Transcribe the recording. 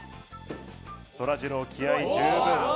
そらジロー、気合い十分。